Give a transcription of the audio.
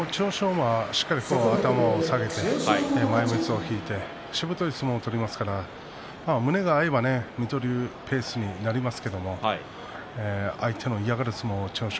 馬はしっかり頭を下げて前みつを引いてしぶとい相撲を取りますから胸が合えば水戸龍ペースになりますけども相手の嫌がる相撲を千代翔